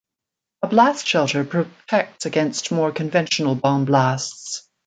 A blast shelter protects against more conventional bomb blasts.